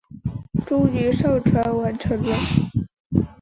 终于上传完成了